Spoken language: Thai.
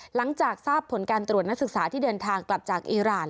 หลังจากทราบผลการตรวจนักศึกษาที่เดินทางกลับจากอีราน